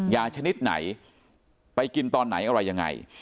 ชนิดไหนไปกินตอนไหนอะไรยังไง